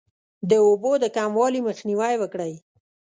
د اوبو د کموالي مخنیوی وکړئ.